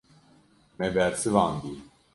Me bersivandiye.